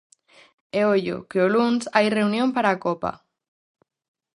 E ollo, que o luns, hai reunión para a copa!